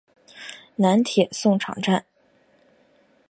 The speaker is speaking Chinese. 南铁送场站。